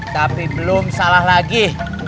tapi belum salah lagi